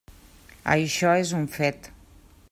Això és un fet.